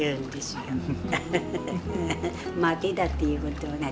「までだ」っていうことはね